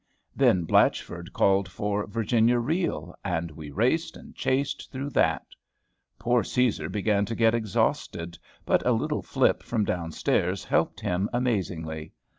Then Blatchford called for "Virginia Reel," and we raced and chased through that. Poor Cæsar began to get exhausted, but a little flip from down stairs helped him amazingly.